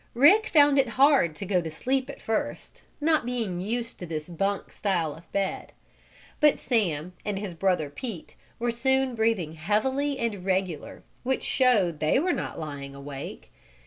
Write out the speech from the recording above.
Rick found it hard to go to sleep at first, not being used to this bunk style of bed. But Sam and his brother Pete were soon breathing heavily and regular, which showed they were not lying awake.